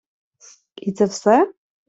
І це все?